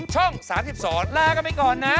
ช่อง๓๒ลากันไปก่อนนะ